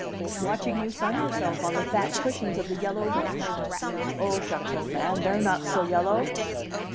"Watching you sun yourself on the fat cushions of the yellow rich." "Oh, shucks, old man, they're not so yellow!"